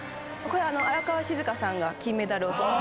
荒川静香さんが金メダル取った。